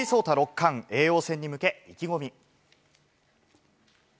藤井聡太六冠、叡王戦に向け、意気込み。